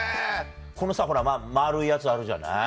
このさぁ丸いやつあるじゃない。